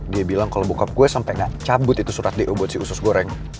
dia bilang kalo bokap gue sampe gak cabut itu surat d o buat si usus goreng